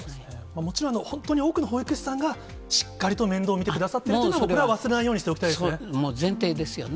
もちろん、本当に多くの保育士さんがしっかりと面倒を見てくださってるというのも、それは忘れないようにしていきたいですね。